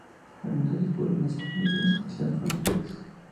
Algunos de los vuelos más promocionados coincidían con las purgas.